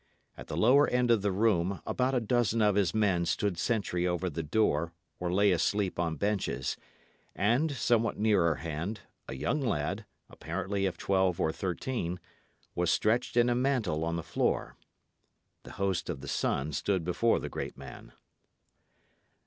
At the lower end of the room about a dozen of his men stood sentry over the door or lay asleep on benches; and somewhat nearer hand, a young lad, apparently of twelve or thirteen, was stretched in a mantle on the floor. The host of the Sun stood before the great man.